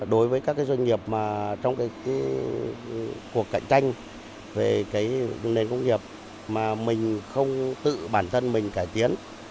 đối với các doanh nghiệp trong cuộc cạnh tranh về nền công nghiệp mà mình không tự bản thân mình cải tiến